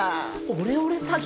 オレオレ詐欺？